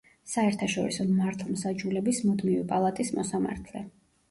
საერთაშორისო მართლმსაჯულების მუდმივი პალატის მოსამართლე.